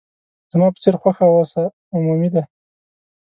زما په څېر خوښه اوس عمومي ده.